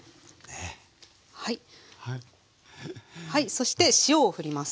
そして塩をふります。